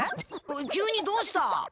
急にどうした？